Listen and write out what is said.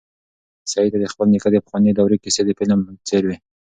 سعید ته د خپل نیکه د پخوانۍ دورې کیسې د فلم په څېر وې.